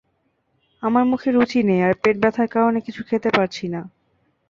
আমার মুখে রুচি নেই আর পেট ব্যথার কারণে কিছু খেতে পারছি না।